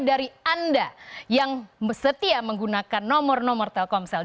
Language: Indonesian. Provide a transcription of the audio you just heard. dari anda yang setia menggunakan nomor nomor telkomsel